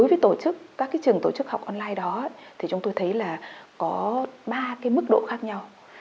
với tổ chức các trường tổ chức học online đó thì chúng tôi thấy là có ba mức độ khác nhau